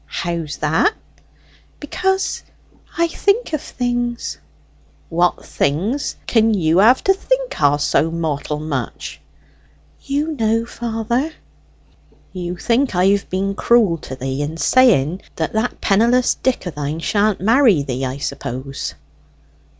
"How's that?" "Because I think of things." "What things can you have to think o' so mortal much?" "You know, father." "You think I've been cruel to thee in saying that that penniless Dick o' thine sha'n't marry thee, I suppose?"